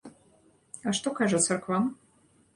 А што кажа царква?